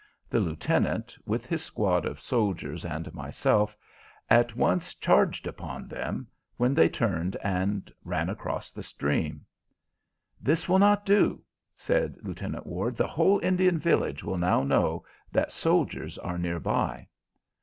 The Lieutenant, with his squad of soldiers and myself, at once charged upon them, when they turned and ran across the stream. "This will not do," said Lieutenant Ward; "the whole Indian village will now know that soldiers are near by."